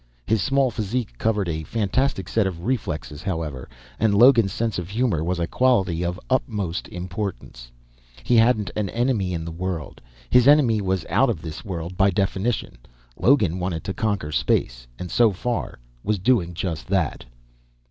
His small physique covered a fantastic set of reflexes, however, and Logan's sense of humor was a quality of utmost importance. He hadn't an enemy in the world. His enemy was out of this world by definition; Logan wanted to conquer space and, so far, was doing just that.